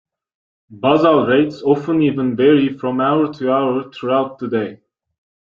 Basal rates often even vary from hour to hour throughout the day.